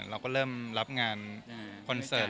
เราก็เริ่มรับงานคอนเสิร์ต